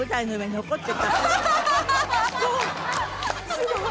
すごい！